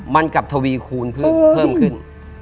มันกับทวีคูณที่เพิ่มขึ้น